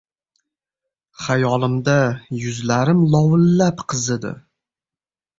Xayolimda, yuzlarim lovullab qizidi.